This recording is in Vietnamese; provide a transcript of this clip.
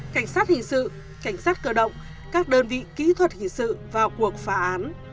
cảnh sát hình sự cảnh sát cơ động các đơn vị kỹ thuật hình sự vào cuộc phá án